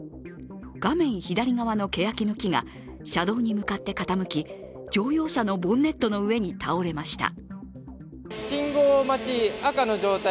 画面左側のけやきの木が車道に向かって傾き乗用車のボンネットの上に倒れました。